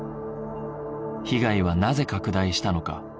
被害はなぜ拡大したのか？